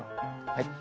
はい。